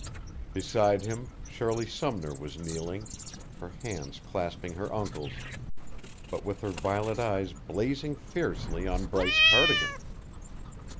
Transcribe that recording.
Beside him Shirley Sumner was kneeling, her hands clasping her uncle's, but with her violet eyes blazing fiercely on Bryce Cardigan.